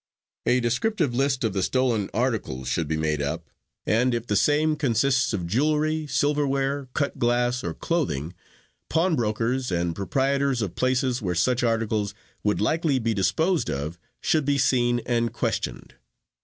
A descriptive list of the stolen articles should be made up, and if the same consists of jewelry, silverware, cut glass or clothing, pawnbrokers and proprietors of places where such articles would likely be disposed of should be seen and questioned.